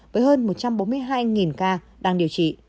với hơn một trăm bốn mươi hai ca đang điều trị